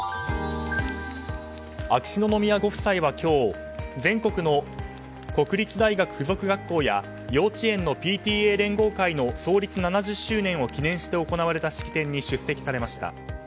秋篠宮ご夫妻は今日全国の国立大学附属学校や幼稚園のＰＴＡ連合会の創立７０周年を記念して行われた式典に式典に出席されました。